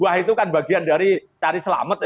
wah itu kan bagian dari cari selamat